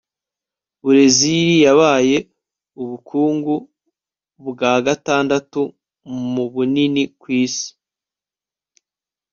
burezili yabaye ubukungu bwa gatandatu mu bunini ku isi